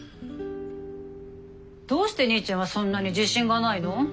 どうして兄ちゃんはそんなに自信がないの？